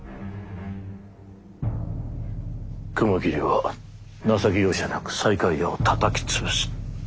雲霧は情け容赦なく西海屋をたたき潰す。